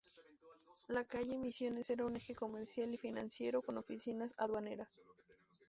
La calle Misiones era un eje comercial y financiero, con oficinas aduaneras.